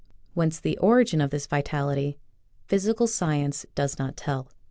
Whence the origin of this vital ity, physical science does not tell.